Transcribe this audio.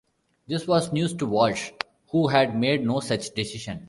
This was news to Walsh, who had made no such decision.